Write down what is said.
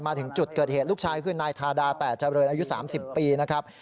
มาถึงจุดเกิดเหตุลูกชายคือนายทาดาแต่เจริญอายุ๓๐ปีนะครับ